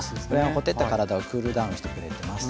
ほてった体をクールダウンしてくれてます。